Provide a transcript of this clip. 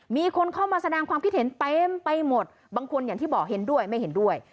มีคนเข้ามาแสดงความคิดเห็นเต็มไปหมดบางคนอย่างที่บอกเห็นด้วยไม่เห็นด้วย